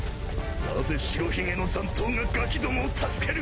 なぜ白ひげの残党がガキどもを助ける！？